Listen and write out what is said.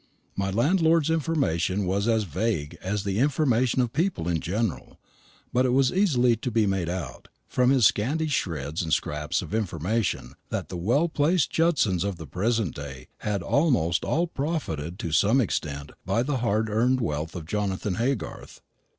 My landlord's information was as vague as the information of people in general; but it was easily to be made out, from his scanty shreds and scraps of information, that the well placed Judsons of the present day had almost all profited to some extent by the hard earned wealth of Jonathan Haygarth.